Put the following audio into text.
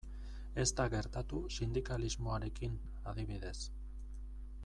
Ez da gertatu sindikalismoarekin, adibidez.